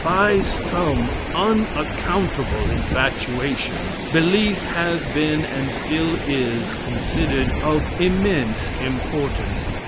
By some unaccountable infatuation, belief has been and still is considered of immense importance.